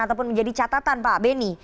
ataupun menjadi catatan pak beni